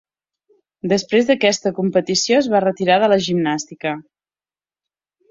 Després d'aquesta competició es va retirar de la gimnàstica.